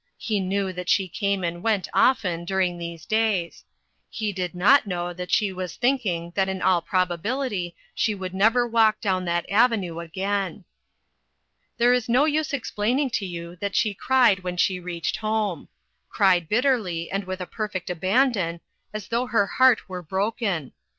He knew that she came and went often during these days; he did not know she was thinking that in all probability she would never walk down that avenue again. There is no use explaining to you that 360 INTERRUPTED. she cried when she reached home ; cried bitterly, and with a perfect abandon, as though her heart were broken.